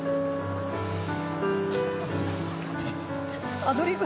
アドリブ。